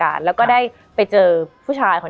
มันทำให้ชีวิตผู้มันไปไม่รอด